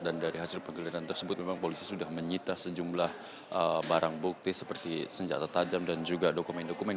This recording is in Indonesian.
dan tersebut memang polisi sudah menyita sejumlah barang bukti seperti senjata tajam dan juga dokumen dokumen